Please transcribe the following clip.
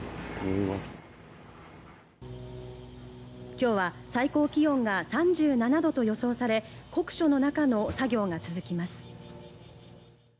今日は最高気温が３７度と予想され酷暑の中の作業が続きます。